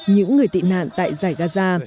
những người tị nạn tại giải gaza